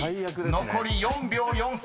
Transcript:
残り４秒４３］